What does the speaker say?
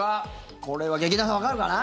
これは、劇団さんわかるかな？